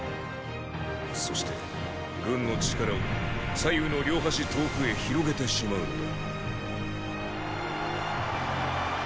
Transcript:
そして軍の力を左右の両端遠くへ広げてしまうのだ。